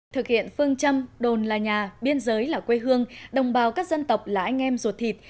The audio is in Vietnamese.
thực hiện phương châm đồn là nhà biên giới là quê hương đồng bào các dân tộc là anh em ruột thịt